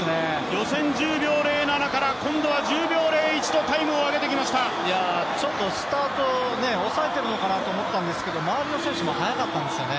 予選１０秒０７から今度は１０秒０１とちょっとスタート、抑えているのかなと思ったんですけど、周りの選手も速かったんですよね。